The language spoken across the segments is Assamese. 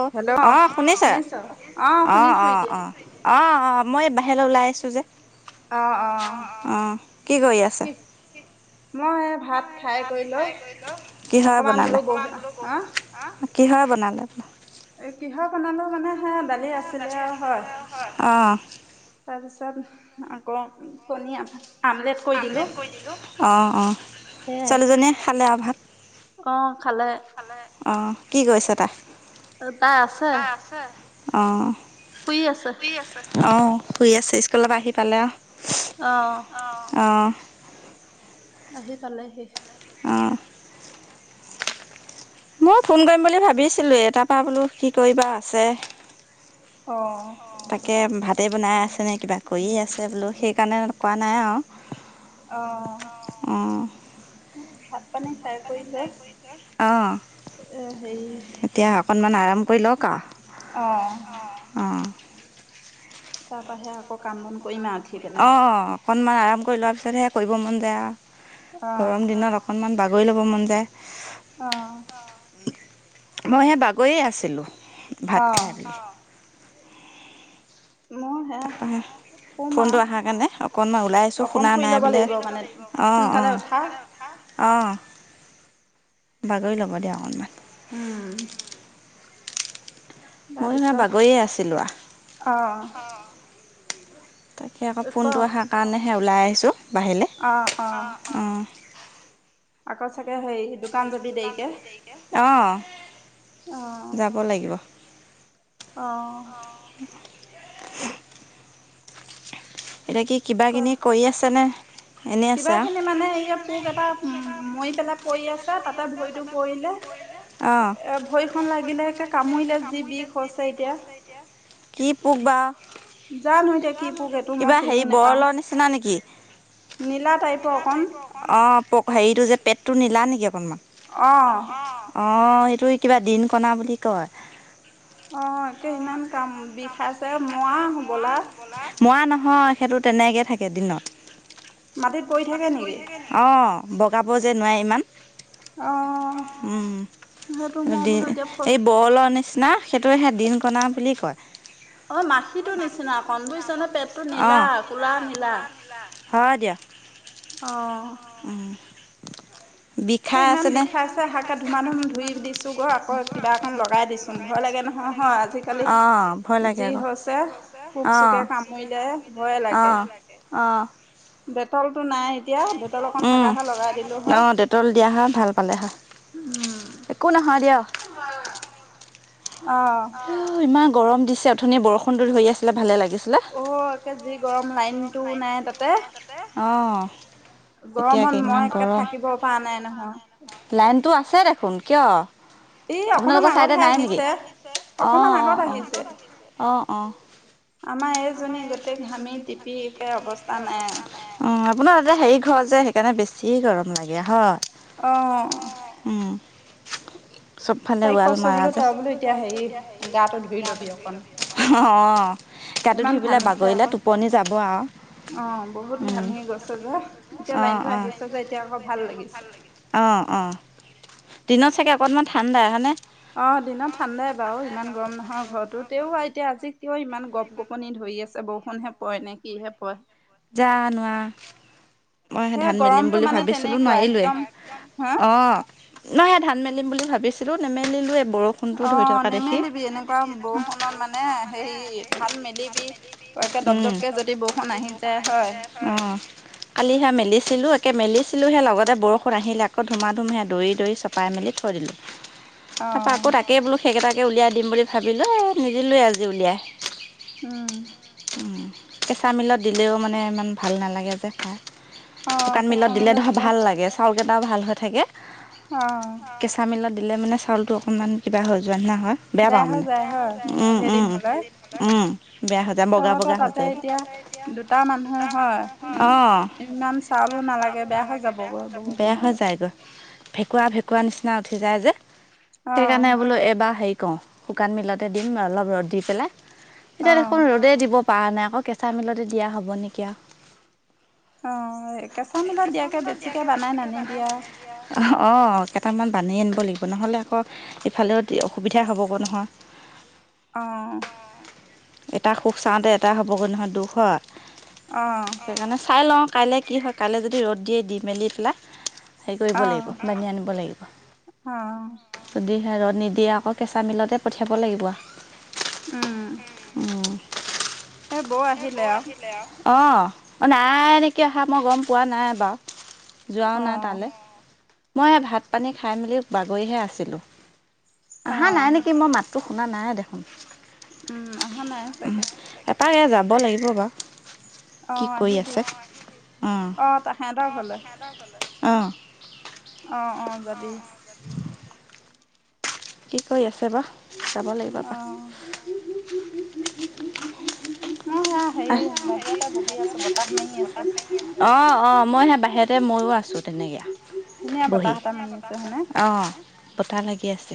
অ অঁ শুনিছা অঁ অঁ অঁ অঁ অঁ মই এই বাহিৰলৈ ওলাই আহিছোঁ যে অঁ কি কৰি আছে মই এই ভাত কিহৰ বনালে কিহৰ বনালে এ কিহৰ বনালো মানে সে দালি আছিলে আৰু হয় তাৰপিছত আকৌ কণী আমলেট অঁ অঁ ছোৱালী জনীয়ে খালে আৰু ভাত। অ' খালে। খালে অ', কি কৰিছে তাই? তাই আছে, অ' শুই আছে। অঁ শুই আছে স্কুলৰ পৰা আহি পালে আৰু। অ'। অ'। আহি পালেহি। অ'। ময় ফোন কৰিম বুলি ভাবিছিলোঁয়ে, তাৰ পৰা বোলো কি কৰিবা আছে। অঁ। কে ভাতেই বনাই আছেনে কিবা কৰিয়ে আছে বোলো সেইকাৰণে কোৱা নাই আৰু। অ'। অঁ। ভাত পানী খাই কৰি লৈ এ হেৰি এতিয়া অকণমান আৰাম কৰি লওঁক আৰু। অঁ। অঁ। তাৰপাহে আকৌ কাম বন কৰিম আৰু। অঁ, অঁ অকনমান আৰাম কৰি লোৱাৰ পিছতহে কৰিব মন যায় আৰু গৰম দিনত। অকণমান বাগৰি ল'ব মন যায়। অঁ। মই হেই বাগৰিয়ে আছিলোঁ ভাত খাই পিনি। মইও হেই। ফোনটো অহাৰ কাৰণে অকণমান ওলাই আহিছোঁ, শুনা নাই বোলে, অঁ অঁ। অঁ, বাগৰি ল'ব দিয়া অকণমান। উম। মইও হেই বাগৰিয়ে আছিলোঁ আৰু। তাকে আকৌ ফোনটো অহাৰ কাৰণেহে ওলাই আহিছোঁ বাহিৰলে। অঁ, অঁ। আকৌ চাগে হেৰি দোকান যাবি দেৰিকে? যাব লাগিব। অঁ। এতিয়া কি কিবা কিনি কৰি আছেনে? কিবা কিনি মানে এই পোক এটা ম মৰি পেলাই পৰি আছে তাতে ভৰিটো পৰিলে। এ ভৰি খন লাগিলে একে কামুৰিলে যি বিষ হৈছে এতিয়া। কি পোক বা? কিবা হেৰি ব'ৰলৰ নিচিনা নেকি? নীলা টাইপৰ অকণ। অঁ পক হেৰিটো যে পেটটো নীলা নেকি অকণমান? অঁ। অঁ এইটো কিবা দিনকণা বুলি কয়। অঁ একে ইমান কাম বিষাইছে মৰা হ'বলা? মৰা নহয়, সেইটো তেনেকে থাকে দিনত। অঁ বগাব যে নোৱাৰে ইমান। উম, দেই, এই ব'ৰল নি চিনা সেইটো সেই দিনকনা বুলি কয়। [inaudible] অ', মাখিটো নিচিনা অকণ বুইছ নে পেটটো নীলা ক'লা নীলা। অ'। উম। কে ইমান বিষাইছে হাকে ধুমা ধুম ধুই দিছো গৈ আকৌ কিবা অকণ লগাই দিছ উম, ভয় লাগে নহয়, হয় আজিকালি যি হৈছে পোক চোকে কামুৰিলে ভয়ে লাগে। অ'। ডেটলতো নাই উম, অ', ডেটল দিয়া হয়, ভাল পালে হয়। একো নহয় দিয়ক। অ'। উ' ইমান গৰম দিছে অথনি বৰষুণটো ধৰি আছিলে ভালে লাগিছিলে। অ', একে যি গৰম লাইনটোও নাই তাতে। অ'। গৰমত মই একে থাকিব পাৰা নাই নহয়। লাইনটো আছে দেখোন, কিয় আপোনালোকৰ চাইডে নাই নেকি? অ', অ', অ', অ', অ'। আমাৰ এইজনী গোটেই ঘামি টিপি একে অৱস্থা নাই আৰু। উম, আপোনাৰ এতে হেৰি ঘৰ যে সেইকাৰণে বেছি গৰম লাগে হয়। অ'। উম। তাইক কৈছো বোলো তই বোলো এতিয়া হেৰি গাটো ধুই লবি অকণ। অ', গাটো ধুই পেলাই বাগৰিলে টোপনি যাব আৰু। অ', বহুত ঘামি গৈছে যে এতিয়া লাইনটো আহিছে যে এতিয়া আকৌ ভাল লাগিছে। অ', অ'। দিনত ছাগে অকণমান ঠাণ্ডা হয়নে। অ', দিনত ঠাণ্ডাই বাৰু ইমান গৰম নহয় ঘৰতো তেওঁ এতিয়া আজি কিয় ইমান গপ গপনি ধৰি আছে বৌ [unintelligible] নে কিহে পয়। জানো আ মই সেই ধান মেলিম বুলি ভাবিছিলো নোৱাৰিলোৱে অ'। নহয়ে ধান মেলিম বুলি ভাবিছিলো নেমেলিলোৱে বৰষ অ', নেমেলিবি এনেকুৱা বৰষুণত মানে হেৰি ধান মেলিবি একে দপ দপকে যদি বৰষুণ আহি যায় হয়। অ'। কালি সে মেলিছিলোঁ একে হে মেলিছিলোঁ সে লগতে বৰষুণ আহিলে আকৌ ধুমা ধুমহে দৌৰি দৌৰি চপাই মেলি থৈ দিলোঁ। [inaudible] তাৰপা আকৌ তাকেই বোলো সেইকেইটাকে উলিয়াই দিম বুলি ভাবিলোঁ এ নিদিলোৱে আজি উলিয়াই। উম। উম, কেঁচা মিলত দিলেও মানে ইমান ভাল নালাগে যে খাই। শুকান মিলত দিলে ধৰ ভাল লাগে, চাউলকেইটাও ভাল হৈ থাকে। অ'। কেঁচা মিলত দিলে মানে চাউলটো অকণমান কিবা হৈ যোৱা ননা হয়। বেয়া পাওঁ মানে বেয়া হৈ যায় উম উম ঢেই দিন থলে উম বেয়া হয় তহঁতৰ তাতে এতিয়া দুটা মানুহৰ হয় উম ইমান চাউলো নালাগে বেয়া হৈ যাবগৈ বহুত দিনলৈ ভেকুৱা ভেকুৱা নিচিনা উঠি যায় যে সেইকাৰণে বোলো এইবাৰ হেৰি কও শুকান মিলাতে দিম অলপ ৰ'দ দি পেলাই এতিয়া দেখোন ৰ'দ দে দিব পৰা নাই আক কেঁচা মিলতে দিয়া হ'ব নিকি আউ অঁ এই কেঁচা মিলত দিয়াকে বেছিকে বনাই নানিবি আউ অ কেইটামান বান্ধি আনিব লাগিব নহলে আকৌ ইফালেও তি অসুবিধা হ'বগৈ নহয় অ এটা সুখ চাওঁতে এটা হ'বগৈ নহয় দুখ হয় অ সেইকাৰণে চাই লওঁ কাইলে কি হয় কাইলে যদি ৰ'দ দিয়ে দি মেলি পেলাই সেই কৰিব লাগিব বান্ধি আনিব লাগিব যদিহে ৰ'দ নিদিয়ে আক কেঁচা মিলতে পঠিয়াব লাগিব আউ উম এ বৌয়ে এ বৌ আহিলে আউ অ নাই নেকি অহা মই গম পোৱা নাই বাউ যোৱাও নাই তালে মই এ ভাত পানী খাই মেলি বাগৰিহে আছিলোঁ আহা নাই নিকি মই মাতটো শুনা নাই দেখোন? উম আহা নাই চাগে। পাৰে যাব লাগিব বাউ কি কৰি আছে? অ, আহিবি উম অ তাহাতৰ ঘলে অ অ', অ, যাবি। কি কৰি আছে বা যাব লাগিব এপা মই সেয়া হেৰি বাহিৰতে বহি আছো বতাহ মাৰি আছে। অ', অ, মই সেয়া বাহিৰতে ময়ো আছো তেনেকে বহি ধুনীয়া বতাহ এটা মাৰি আছে অ বতাহপ লাগি আছে।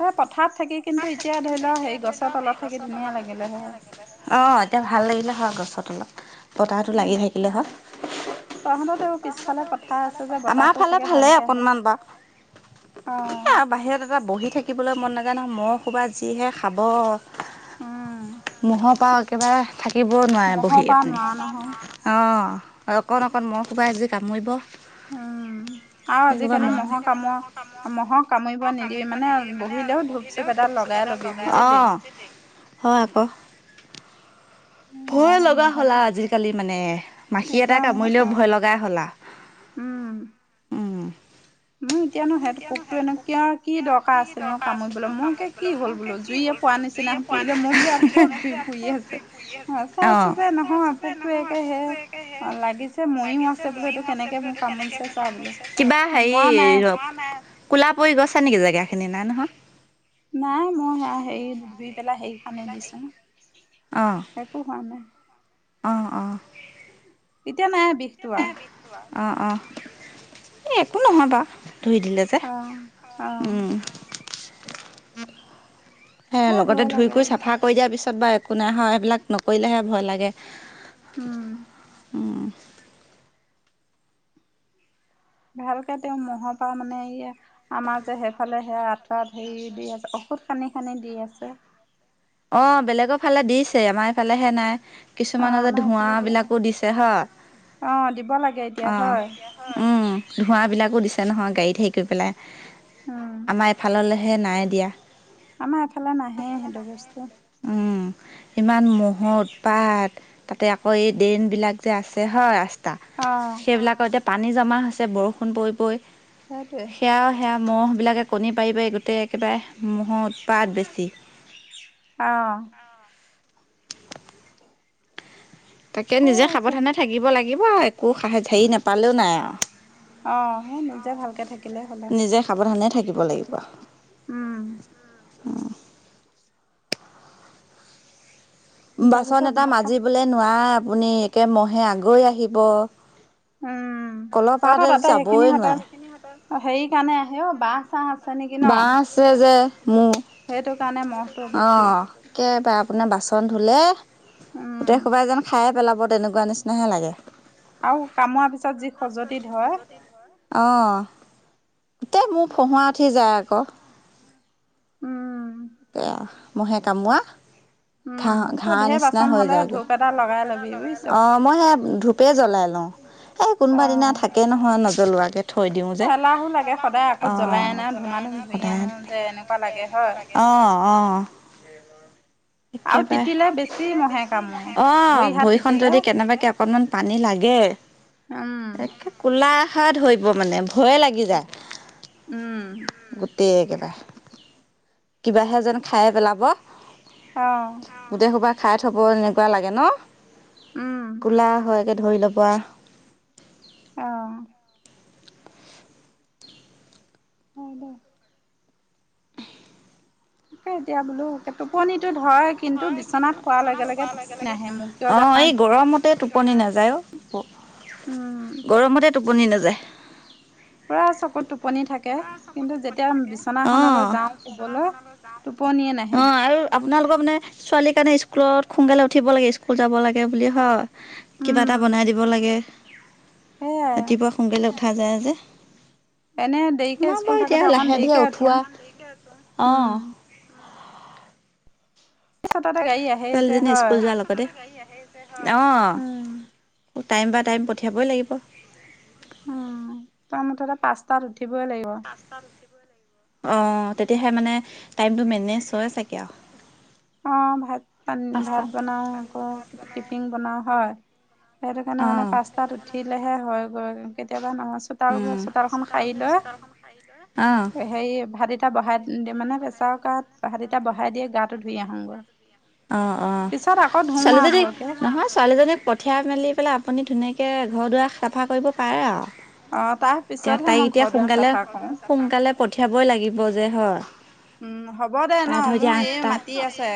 হে পথাৰ থাকি কিন্তু এতিয়া ধৰি ল হেই গছৰ তলত থাকি ধুনীয়া লাগিলে হয়। অ', এতিয়া ভাল লাগিলে হয় গছৰ তলত বতাহটো লাগি থাকিলে হয়। তহঁত তেউ এই পিছফালে পথাৰ আছে যে, বতাহটো চাগে ভালকে আহে। এ আৰু বাহিৰত এটা বহি থাকিবলৈ মন নাযায় নহয় ম'হ হোপাই যিহে খাব। ম'হ পা একেবাৰে থাকিবও নোৱাৰে বহি আপুনি ম'হ পা নোৱাঅ অ', আৰু অকণ অকণ ম'হ হোপাই যি কামুৰিব উম আৰু আজিকালি মহৰ কামুৰা মহৰ কামুৰিব নিদিয়ে মানে বহিলেও এ ধূপ চুপ এডাল লগাই ল'বি বুজিলি হয় আকৌ ভয় লগা হল আউ আজিকালি মানে মাখি এটা কামুৰিলেও ভয় লগাই হ'ল আ উম', মোৰ এতিয়া নো সেইটো পোকটোৱেনো কিয়া আৰু কি দৰকাৰ আছিল নো কামুৰিবলৈ মই একে কি হ'ল বোলো জুইয়ে পোৱা নিচিনা পুৰিলে মোৰ বোলো ইয়াত ক'ত জুই পুৰি আছে চাই আছো যে নহয় পোকতো একেৰাহে অ লাগিছে মৰিও আছে বোলো এইটো কেনেকে মোক কামুৰিছে চা বোলো। কিবা হেৰি ৰ মৰা নাই কোলা পৰি গছে নেকি জেগা খিনি নাই নহয়। নাই মই সেয়া হেই ধুই পেলাই সেই সানি দিছোং একো হোৱা নাই অ', অ', এতিয়া নাই বিষটো আৰু অ', অ', এ একো নহয়বা ধুই দিলে যে উম। সে লগতে ধুই কৰিু চাফা কৰি দিয়াৰ পিছত বা একো নাই হয় সেইবিলাক নকৰিলেহে ভয় লাগে। উম। ভালকে তেওঁ মহৰ পৰা মানে এইয়া আমাৰ যে সেইফালে সেয়া আঠুৱাত হেৰি দি আছে ঔষধ খান্দি, খান্দি দি আছে। অ', বেলেগৰ ফালে দিছে আমাৰ এইফালেহে নাই। কিছুমান অ', যে ধোঁৱা বিলাকো দিছে হয় অ'। উম ধোঁৱা বিলাকো দিছে নহয় গাড়ীত হেৰি কৰি পেলাই আমাৰ এফাললৈ এই নাই দিয়া। আমাৰ এফালে নাহে সেইটো বস্তু উম। ইমান ম'হ উৎপাট, তাতে আকৌ এই ড্ৰেইনবিলাক যে আছে। অ'। সেইবিলাকৰ এতিয়া পানী জমা হৈছে বৰষুণ পৰি, পৰি। সেটোৱে। এয়াও সেয়া মহ'বিলাকে কণী পাৰিব গোটেই একেবাৰে ম'হৰ উৎপাত বেছি। অ'। তাকে নিজে সাৱধানে থাকিব লাগিব আৰু। একো হেৰি নাপালেও নাই আৰু লাগিব আৰু উম। বাচন এটা মাজিবলৈ নোৱাৰে আপুনি একে মহে আগুৰি আহিব। উম, তহঁত তাতে সেইখিনি তহঁত, হেৰি কাৰণে আহে অ', বাঁহ, চাঁহ আছে। বাঁহ আছে যে মোৰ অ' একেবাৰে আপোনাৰ বাচন ধুলে গোটেই সোপাই যেন খায়ে পেলাব তেনেকুৱা নিচিনাহে লাগে। আৰু কামোৰাৰ পিছত যি খজুতি ধৰে। অ', গোতেই মোৰ ফহুৱা উঠি যায় আকৌ। উম। এয়া ম'হে কামোৰা। ঘাঁ ঘাঁহ নিচিনা হৈ যায়গে, অ', মই সে ধূপে জ্বলাই লওঁ। এ কোনোবা দিনা থাকে নহয় নজলোৱাকে। এলাহো লাগে সদায় আকৌ জ্বলাই আনা ধুমা ধুম ধুই আনো যে এনেকুৱা লাগে হয়। অ', অ'। একেবাৰে, অ', ভৰি খন যদি কেনেবাকে অকণমান পানী লাগে একে ক'লাহৈ ধৰিব মানে ভয়ে লাগি যায়। উম। গোটেই একেবাৰে। কিবাহে যেন খায়েই পেলাব। অ'। গোটেই সোবা খাই থব এনেকুৱা লাগে ন ক'লা হৈ একে ধৰি লব। অ'। হয় দে। কে এতিয়া বোলো। টোপনিতো ধৰে কিন্তু বিচনাত পৰাৰ লগে লগে টোপনিতো নাহে মোৰ কিয় জানো? গৰমতে টোপনি নাযায় অ' গৰমতে টোপনি নাযায়। পুৰা চকুত টোপনি থাকে। কিন্তু যেতিয়া বিচনাখনলৈ যাওঁ শুবলৈ টোপনিয়ে নাহে। আপোনালোকৰ মানে ছোৱালীৰ কাৰণে স্কুলত সোনকালে লাগে স্কুল যাব লাগে বুলি হয়? কিবা এটা বনাই দিব লাগে, ৰাতিপুৱা সোনকালে উঠা যায় যে। এনে দেৰিকে স্কুল থাকোতে অকন দেৰিকে উঠো আৰু। অঁ। ছটাটে গাড়ী আহে। ছোৱালীজনী স্কুল যোৱাৰ লগতে, অ'। টাইম বাই টাইম পঠিয়াবই লাগিব। তই মুঠতে পাঁচটাত উঠিবই লাগিব। অ' তেতিয়াহে মানে টাইমটো মেনেজ হয় চাগে আৰু। অ' ভাত পানী ভাত বনাও আকৌ টিফিন বনাও হয়। সেইটো কাৰণে মানে পাঁচতাত উঠিলেহে হয় গৈ, কেতিয়াবা নহয় চোতাল ঘৰ চোতালখন খাৰি লৈ হেৰি ভাত বহাই দিয়ে মানে পেছাৰ কুকাৰত ভাত কেইটা বহাই দিয়ে গাটো ধুই আহোঁগৈ। অ', অ' ছোৱালীজনীক নহয় ছোৱালীজনীক প। ঠিয়াই মেলি পেলাই আপুনি ধুনীয়াকে ঘৰ দুৱাৰ চাফা পাৰে আৰু। তেওঁ এতিয়া তাইক এতিয়া সোনকালে সোনকালে পঠিয়াবই লাগিব যে হয়। উম হ'ব দে ন, মোৰ এই মাটি আছে।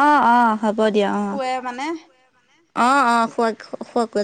অ', অ' হ'ব দিয়া অ'। মানে। অ অ খোৱা খুৱ কৈ।